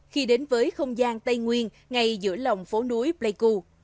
khi đến với không gian tây nguyên ngay giữa lòng phố núi pleiku